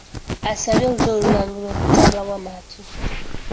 Asabye Olulyo Olulangira obutabawa matu.